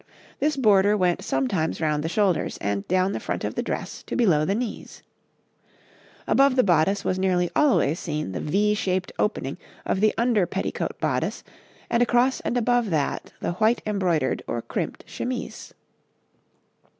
This border went sometimes round the shoulders and down the front of the dress to below the knees. Above the bodice was nearly always seen the V shaped opening of the under petticoat bodice, and across and above that, the white embroidered or crimped chemise.